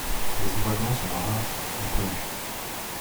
Les ouragans sont rares, mais connus.